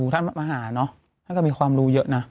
ท่านมาหาเนอะท่านก็มีความรู้เยอะนะ